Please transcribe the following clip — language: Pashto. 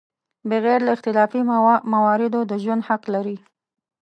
بغیر له اختلافي مواردو د ژوند حق لري.